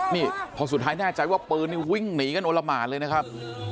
นี่พอสุดท้ายแน่ใจว่าปืนนี่วิ่งหนีกันโอละหมานเลยนะครับ